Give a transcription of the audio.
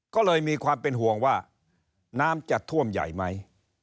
ก็เลยมีความเป็นห่วงว่าน้ำจะท่วมใหญ่ไหม